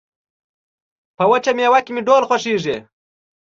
په وچه مېوه کې مې ډول خوښيږي